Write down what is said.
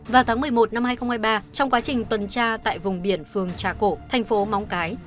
vào tháng một mươi một năm hai nghìn hai mươi ba trong quá trình tuần tra tại vùng biển phường trà cổ thành phố móng cái